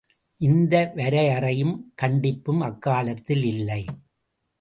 இந்த வரையறையும் கண்டிப்பும் அக்காலத்தில் இல்லை.